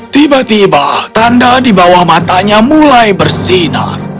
tiba tiba tanda di bawah matanya mulai bersinar